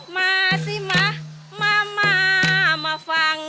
มาสิมามามามาฟัง